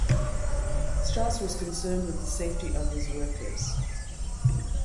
Strauss was concerned with the safety of his workers.